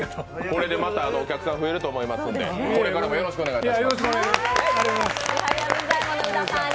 これでまたお客さん増えると思いますのでこれからもよろしくお願いします。